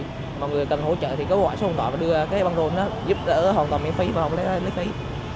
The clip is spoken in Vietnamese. thì mọi người cần hỗ trợ thì có hoài số hồn tội và đưa cái băng rôn đó giúp đỡ hoàn toàn miễn phí và hoàn toàn miễn phí